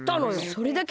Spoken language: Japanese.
それだけ？